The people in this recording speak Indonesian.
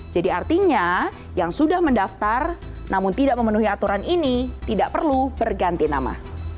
jadi artinya yang sudah mendaftar namun tidak memenuhi aturan ini tidak perlu berganti nama